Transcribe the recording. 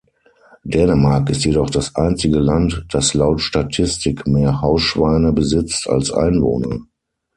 Dänemark ist jedoch das einzige Land, das laut Statistik mehr Hausschweine besitzt als Einwohner.